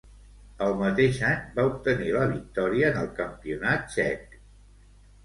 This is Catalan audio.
El mateix any va obtenir la victòria en el Campionat Txec.